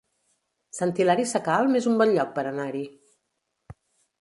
Sant Hilari Sacalm es un bon lloc per anar-hi